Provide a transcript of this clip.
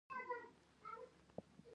دا ممکن خوب او خیال وي.